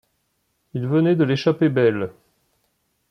Il venait de l’échapper belle.